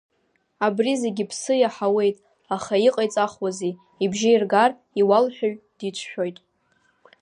Абри зегь аԥсы иаҳауеит, аха иҟеиҵахуази, ибжьы иргар иуалҳәаҩ дицәшәоит.